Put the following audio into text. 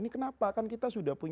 ini kenapa kan kita sudah punya